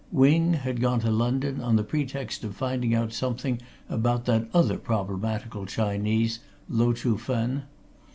Wing had gone to London, on the pretext of finding out something about that other problematical Chinese, Lo Chuh Fen.